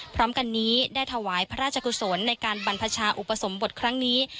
พร้อมกันนี้ได้ถวายพระราชกุศลในการบรรพชาอุปสมบทครั้งนี้